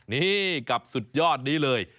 นี่กับสุดยอดนี้เลย